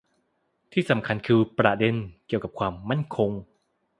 ที่สำคัญคือประเด็นเกี่ยวกับความมั่นคง